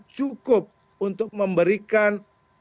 cukup untuk memberikan